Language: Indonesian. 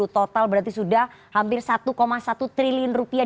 total berarti sudah hampir satu satu triliun rupiah